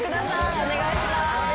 お願いします。